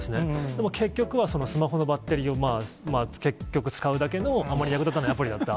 でも結局は、スマホのバッテリーを結局使うだけのあまり役に立たなかったアプリだった。